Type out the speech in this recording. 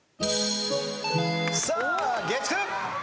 さあ月９。